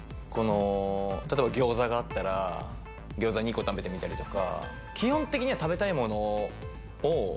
例えば餃子があったら餃子２個食べてみたりとか。